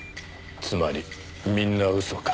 つまりみんな嘘か。